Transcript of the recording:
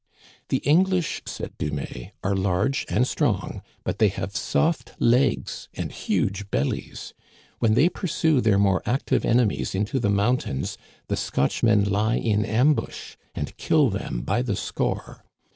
" The English," said Dumais, " are large and strong, but they have soft legs and huge bellies. When they pursue their more active enemies into the mountains the Scotchmen lie in ambush and kill them by the score.